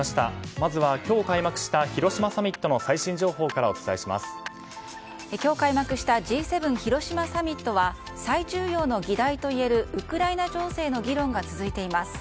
まずは今日開幕した広島サミットの最新情報から今日開幕したＧ７広島サミットは最重要の議題といえるウクライナ情勢の議論が続いています。